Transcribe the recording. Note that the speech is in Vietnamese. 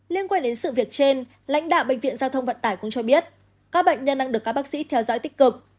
liên quan đến sự việc trên lãnh đạo bệnh viện giao thông vận tải cũng cho biết các bệnh nhân đang được các bác sĩ theo dõi tích cực